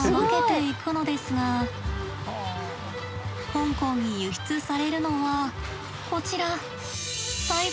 香港に輸出されるのはこちら。